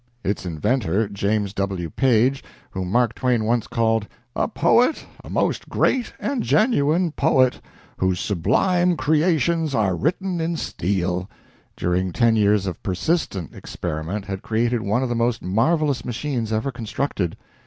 Its inventor, James W. Paige, whom Mark Twain once called "a poet, a most great and genuine poet, whose sublime creations are written in steel," during ten years of persistent experiment had created one of the most marvelous machines ever constructed.